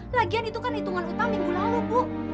lagian itu kan hitungan utang minggu lalu bu